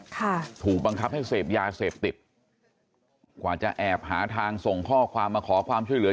ถูกบังคับให้เสพยาเสพติดกว่าจะแอบหาทางส่งข้อความมาขอความช่วยเหลือ